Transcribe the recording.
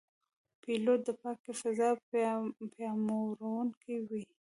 پیلوټ د پاکې فضا پیاموړونکی وي.